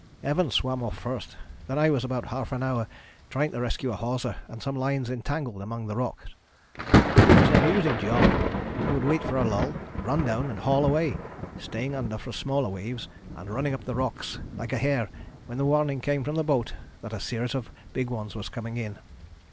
Evans swam off first. Then I was about half an hour trying to rescue a hawser and some lines entangled among the rocks. It was an amusing job. I would wait for a lull, run down and haul away, staying under for smaller waves and running up the rocks like a hare when the warning came from the boat that a series of big ones were coming in.